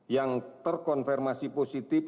yang terkonfirmasi positif